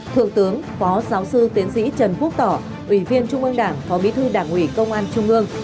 thượng tướng phó giáo sư tiến sĩ trần quốc tỏ ủy viên trung ương đảng phó bí thư đảng ủy công an trung ương